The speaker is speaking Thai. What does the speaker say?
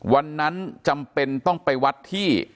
วันนั้นจำเป็นต้องไปวัดที่